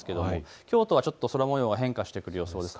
きょうとはちょっと空もようが変化する予想です。